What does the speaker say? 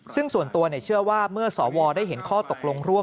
ซึ่งส่วนตัวเชื่อว่าเมื่อสวได้เห็นข้อตกลงร่วม